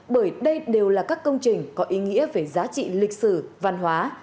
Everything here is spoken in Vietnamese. bởi đây đều là các công trình có ý nghĩa về giá trị lịch sử văn hóa